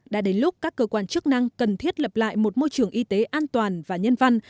đã đến lúc các cơ quan chức năng cần thiết lập lại một môi trường y tế an toàn và nhân văn